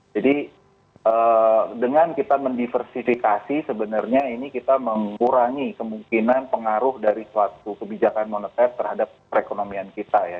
jadi dengan kita mendiversifikasi sebenarnya ini kita mengurangi kemungkinan pengaruh dari suatu kebijakan moneter terhadap perekonomian kita ya